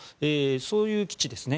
そういう基地ですね。